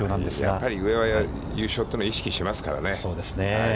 やっぱり上は優勝というのは意識しますからね。